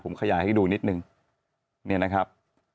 ผมขยายให้ดูนิดนึงเนี่ยนะครับ